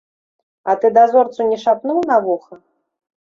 А ты дазорцу не шапнуў на вуха?